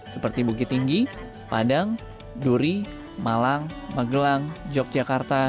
seperti bukit tinggi padang duri malang magelang yogyakarta